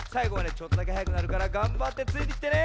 ちょっとだけはやくなるからがんばってついてきてね。